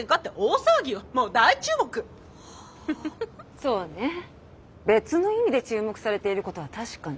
そうね別の意味で注目されていることは確かね。